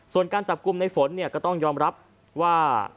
ส่วนการจับกุมในฝนก็ต้องยอมรับว่า